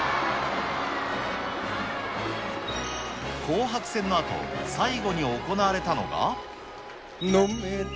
紅白戦のあと、最後に行われたのが。